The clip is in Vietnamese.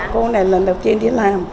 cô này lần đầu tiên đi làm